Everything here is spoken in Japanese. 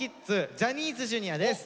ジャニーズＪｒ．です。